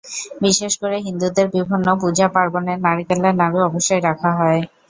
বিশেষ করে হিন্দুদের বিভিন্ন পূজা-পার্বণে নারকেলের নাড়ু অবশ্যই রাখা হয়।